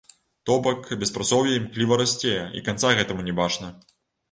То бок, беспрацоўе імкліва расце, і канца гэтаму не бачна.